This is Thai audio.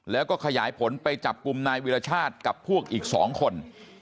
แล้วก็ขยายผลไปจับกลุ่มนายวิรชาติกับพวกอีก๒คน